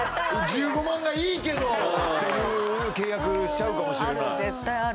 １５万がいいけどっていう契約しちゃうかもしれないある